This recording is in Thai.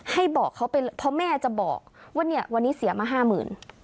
ให้บอกเขาเป็นเพราะแม่จะบอกว่าวันนี้เสียมา๕๐๐๐๐บาท